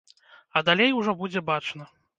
А далей ужо будзе бачна.